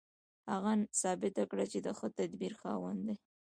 هغه ثابته کړه چې د ښه تدبیر خاوند دی